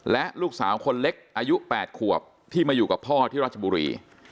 และลูกสาวคนเล็กอายุ๘ขวบที่มาอยู่กับพ่อที่ราชบุรี